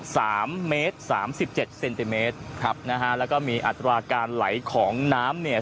สามเมตรสามสิบเจ็ดเซนติเมตรครับนะฮะแล้วก็มีอัตราการไหลของน้ำเนี่ย